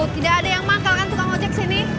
tidak ada yang manggal kan tukang ojek sini